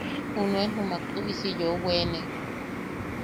Junuen jumak tuʼisi yeu weene.